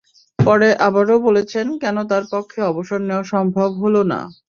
পরে আবারও বলেছেন কেন তাঁর পক্ষে অবসর নেওয়া সম্ভব হলো না।